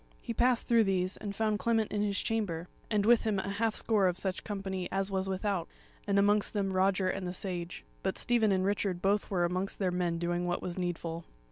He passed through these, and found Clement in his chamber, and with him a half score of such company as was without, and amongst them Roger and the Sage; but Stephen and Richard both were amongst their men doing what was needful.